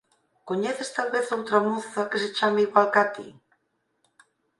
Coñeces talvez outra moza que se chame igual ca ti?